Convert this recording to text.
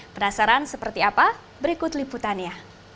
penasaran seperti apa berikut liputannya